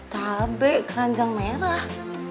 cabai keranjang merah